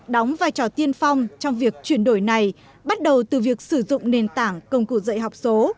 đóng vai trò tiên phong trong việc chuyển đổi này bắt đầu từ việc sử dụng nền tảng công cụ dạy học số